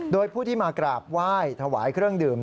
โดยผู้ที่มากราบไหว้ถวายเครื่องดื่ม